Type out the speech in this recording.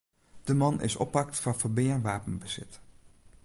De man is oppakt foar ferbean wapenbesit.